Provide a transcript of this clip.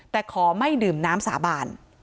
แต่ขอไม่ดื่มน้ำสาบาน